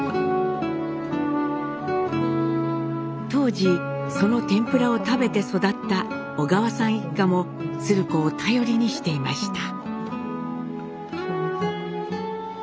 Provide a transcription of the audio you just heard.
当時その天ぷらを食べて育った小川さん一家も鶴子を頼りにしていました。